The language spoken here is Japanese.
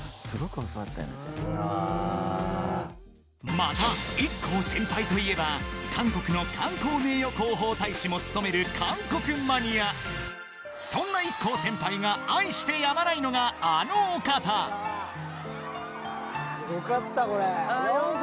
またＩＫＫＯ先輩といえばも務める韓国マニアそんなＩＫＫＯ先輩が愛してやまないのがあのお方すごかったこれヨン様。